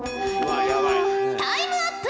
タイムアップ